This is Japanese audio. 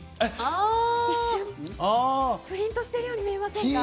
プリントしてるように見えませんか？